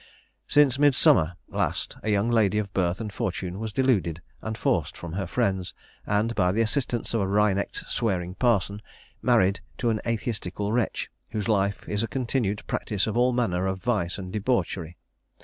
"Since Midsummer last a young lady of birth and fortune was deluded and forced from her friends, and, by the assistance of a wry necked swearing parson, married to an atheistical wretch, whose life is a continued practice of all manner of vice and debauchery.